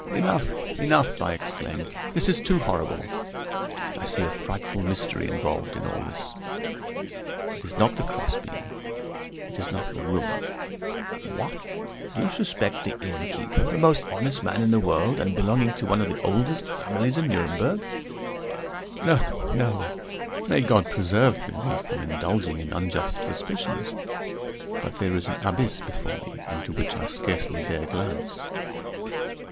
"Enough, enough!" I exclaimed; "this is too horrible! I see a frightful mystery involved in all this. It is not the crossbeam; it is not the room " "What! Do you suspect the innkeeper, the most honest man in the world, and belonging to one of the oldest families in Nuremberg?" "No, no; may God preserve me from indulging in unjust suspicions! but there is an abyss before me, into which I scarcely dare glance."